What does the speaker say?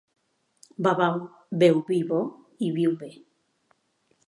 Babau, beu vi bo i viu bé.